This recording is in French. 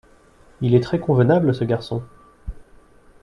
Il est très convenable, ce garçon…